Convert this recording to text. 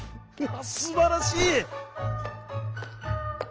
すばらしい！」。